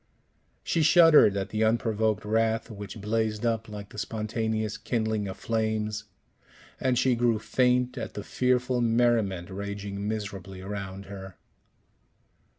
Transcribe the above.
She shuddered at the unprovoked wrath which blazed up like the spontaneous kindling of flames and she grew faint at the fearful merriment raging miserably around her.